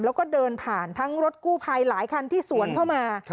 แล้วก็เดินผ่านทั้งรถกู้ภัยหลายคันที่สวนเข้ามา